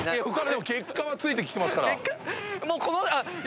結果はついてきてますから。